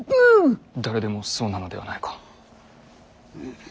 誰でもそうなのではないか。